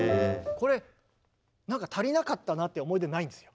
これなんか足りなかったなっていう思い出ないんですよ。